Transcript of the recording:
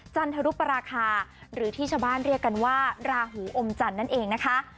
จันทรุปราคาหรือที่ชาวบ้านเรียกกันว่าราหูอมจันทร์นั่นเองนะคะ